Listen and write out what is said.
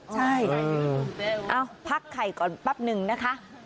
ใช่เอาพักไข่ก่อนแป๊บนึงนะคะ